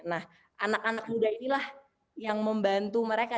nah anak anak muda inilah yang membantu mereka